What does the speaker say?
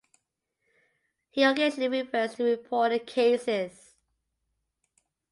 He occasionally refers to reported cases.